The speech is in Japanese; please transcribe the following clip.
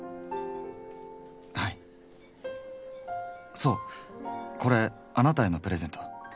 そうこれあなたへのプレゼント。